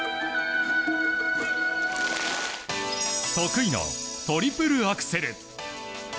得意のトリプルアクセル。